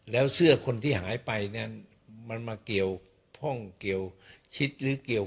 แล้วเสื้อคนที่หายไปเนี่ยมันมาเกี่ยวข้องเกี่ยวชิดหรือเกี่ยว